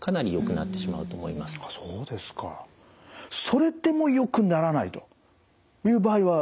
それでもよくならないという場合は？